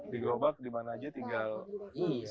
di gerobak dimana aja tinggal istirahat